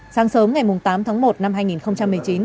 sáng sớm ngày tám tháng một năm hai nghìn một mươi chín